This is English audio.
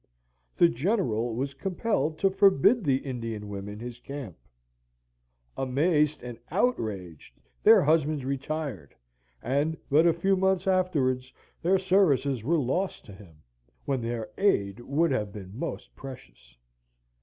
The General was compelled to forbid the Indian women his camp. Amazed and outraged their husbands retired, and but a few months afterwards their services were lost to him, when their aid would have been most precious.